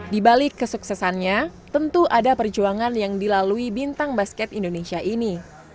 di balik kesuksesannya tentu ada perjuangan yang dilalui bintang basket indonesia ini